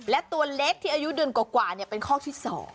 และตัวเล็กที่อายุเดือนกว่าเป็นข้อที่๒